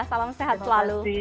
salam sehat selalu